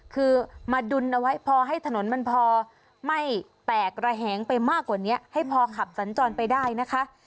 คือมาดุลเอาไว้พอให้ถนนมันพอไม่แตกระแหงไปมากกว่านี้ให้พอขับสัญจรไปได้นะคะ